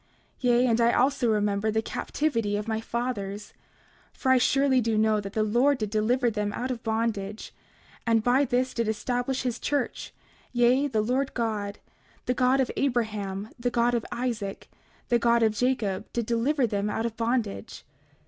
29:11 Yea, and I also remember the captivity of my fathers; for I surely do know that the Lord did deliver them out of bondage, and by this did establish his church; yea, the Lord God, the God of Abraham, the God of Isaac, and the God of Jacob, did deliver them out of bondage.